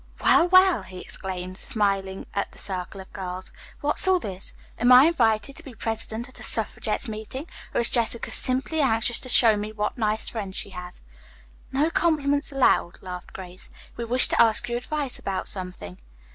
"Well, well!" he exclaimed, smiling at the circle of girls. "What's all this? Am I invited to be present at a suffragette's meeting or is Jessica simply anxious to show me what nice friends she has?" "No compliments allowed," laughed Grace. "We wish to ask your advice about something."